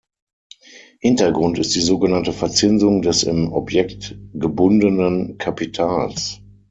Hintergrund ist die sogenannte Verzinsung des im Objekt gebundenen Kapitals.